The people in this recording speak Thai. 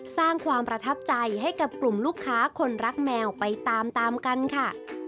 สร้างความประทับใจให้กับกลุ่มลูกค้าคนรักแมวไปตามตามกันค่ะ